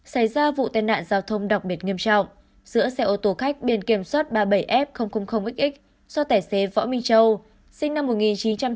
xảy ra vụ tàn nạn giao thông đặc biệt nghiêm trọng giữa xe ô tô khách biển kiểm soát ba mươi bảy f xx do tài xế võ minh châu